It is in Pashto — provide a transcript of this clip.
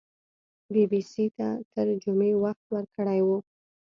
بي بي سي ته تر جمعې وخت ورکړی وو